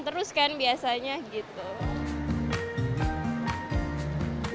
terus kan biasanya gitu